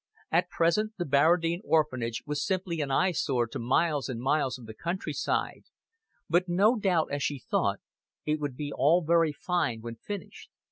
At present the Barradine Orphanage was simply an eye sore to miles and miles of the country side, but no doubt, as she thought, it would be all very fine when finished.